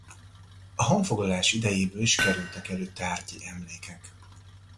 A honfoglalás idejéből is kerültek elő tárgyi emlékek.